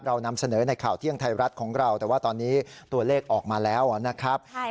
เรานำเสนอในข่าวเที่ยงไทยรัฐของเราแต่ว่าตอนนี้ตัวเลขออกมาแล้วนะครับ